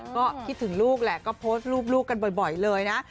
ก็คิดถึงลูกแหละก็โพสต์รูปลูกกันบ่อยเลยนะ